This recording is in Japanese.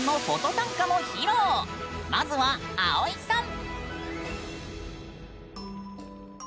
まずは葵さん！